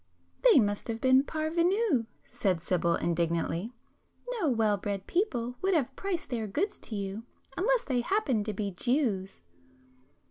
"They must have been parvenus,"—said Sibyl indignantly—"No well bred people would have priced their goods to you, unless they happened to be Jews."